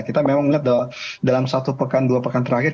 kita memang lihat dalam satu pekan dua pekan terakhir